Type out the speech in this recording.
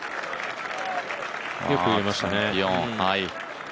よく入れましたね。